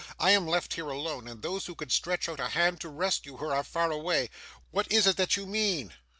I am left here alone, and those who could stretch out a hand to rescue her are far away. What is it that you mean?